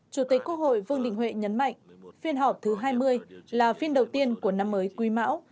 chủ tịch quốc hội vương đình huệ nhấn mạnh phiên họp thứ hai mươi là phiên đầu tiên của năm mới quý mão